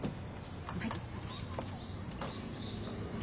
はい。